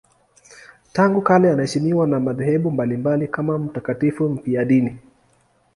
Tangu kale anaheshimiwa na madhehebu mbalimbali kama mtakatifu mfiadini.